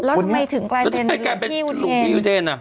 แล้วทำไมถึงกลายเป็นหลุงพี่อุเทน